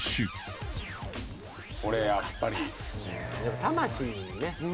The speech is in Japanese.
魂ね。